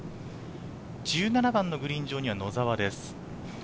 １７番のグリーン上には野澤です。